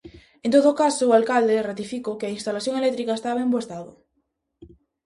En todo caso, o alcalde ratifico que a instalación eléctrica estaba en bo estado.